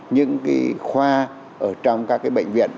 những cái khoa ở trong các cái bệnh viện